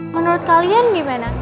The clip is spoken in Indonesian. menurut kalian gimana